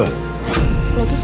lo tuh saikot tau gak